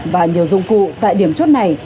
và nhiều dụng cụ tại điểm chốt này